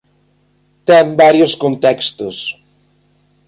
Ten varios contextos.